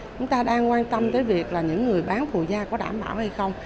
chúng ta đang quan tâm tới việc là những người bán phụ da có đảm bảo hay không